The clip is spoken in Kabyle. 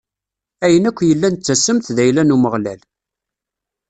Ayen akk yellan d tassemt d ayla n Umeɣlal.